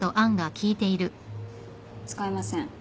使えません。